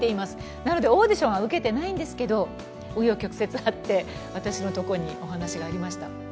なので、オーディションは受けてないんですけど、う余曲折あって私のところにお話がありました。